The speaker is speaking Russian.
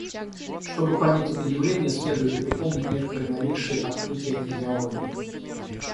Чтобы понять это явление, следует припомнить некоторые новейшие открытия физиологии.